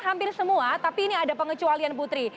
hampir semua tapi ini ada pengecualian putri